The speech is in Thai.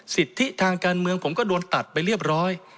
สิทธิทางการเมืองผมก็โดนตัดไปเรียบร้อย